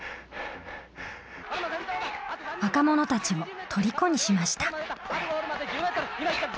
若者たちをとりこにしました。